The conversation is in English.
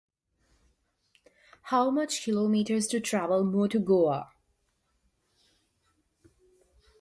How much kilometres to travel more to Goa?